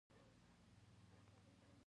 تاجران لري.